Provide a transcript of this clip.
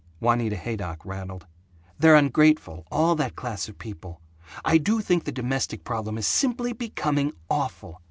Juanita Haydock rattled, "They're ungrateful, all that class of people. I do think the domestic problem is simply becoming awful.